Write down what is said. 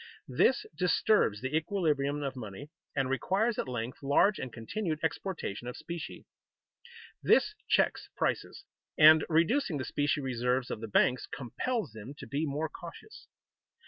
This disturbs the equilibrium of money and requires at length large and continued exportation of specie. This checks prices, and, reducing the specie reserves of the banks, compels them to be more cautious.